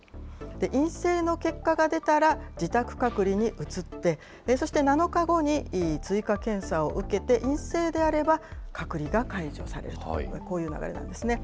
陰性の結果が出たら自宅隔離に移って、そして７日後に追加検査を受けて、陰性であれば、隔離が解除される、こういう流れなんですね。